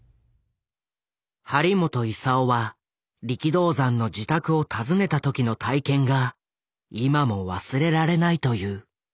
張本勲は力道山の自宅を訪ねた時の体験が今も忘れられないという。